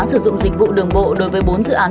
sử dụng dịch vụ đường bộ đối với bốn dự án